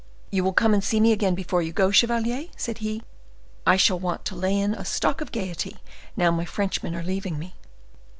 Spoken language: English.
"You will come and see me again before you go, chevalier?" said he; "I shall want to lay in a stock of gayety now my Frenchmen are leaving me."